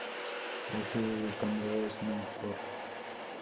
La sede del condado es Medford.